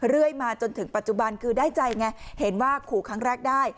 เรื่อยมาจนถึงปัจจุบันคือได้ใจไงเห็นว่าขู่ครั้งแรกได้